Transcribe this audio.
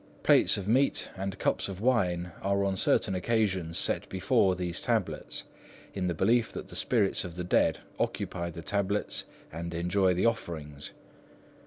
Plates of meat and cups of wine are on certain occasions set before these tablets, in the belief that the spirits of the dead occupy the tablets and enjoy the offerings.